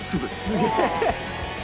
すげえ！